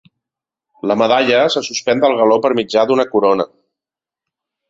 La medalla se suspèn del galó per mitjà d'una corona.